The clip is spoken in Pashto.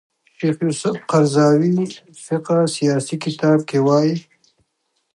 شیخ یوسف قرضاوي فقه سیاسي کتاب کې وايي